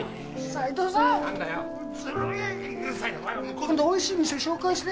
今度おいしい店紹介して。